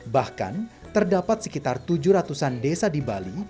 bahkan terdapat sekitar tujuh ratusan desa di bali